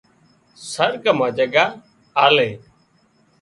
سرڳ مان جڳا آلي